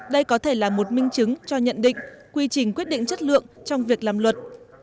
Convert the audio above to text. đây có thể là một minh chứng cho nhận định quy trình quyết định chất lượng trong việc làm luật